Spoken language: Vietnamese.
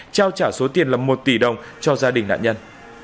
trao trả số tiền là một tỷ đồng cho gia đình nạn nhân